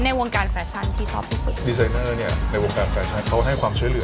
แข่งขันกันก็เป็นส่วนเรื่องแข่งขัน